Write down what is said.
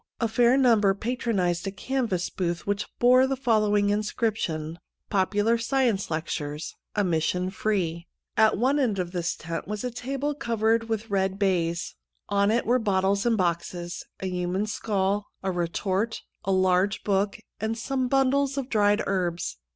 A fair number patronized a canvas booth which bore the following inscription : POPULAR SCIENCE LECTURES. Admission Free. 101 THE END OF A SHOW At one end of this tent was a table covered with red baize ; on it were bottles and boxes^ a human skull, a retort, a large book, and some bundles of dried herbs.